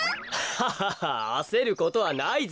ハハハあせることはないぞ。